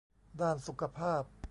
ด้านสุขภาพ